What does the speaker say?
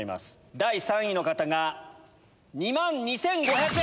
第３位の方が２万２５００円。